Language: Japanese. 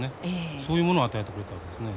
そういうものを与えてくれたわけですね。